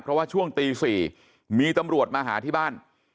เพราะว่าช่วงตี๔มีตำรวจมาหาที่บ้าน